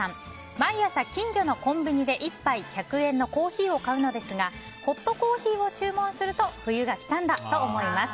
毎朝、近所のコンビニで１杯１００円のコーヒーを買うのですがホットコーヒーを注文すると冬が来たんだと思います。